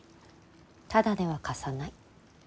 タダでは貸さない。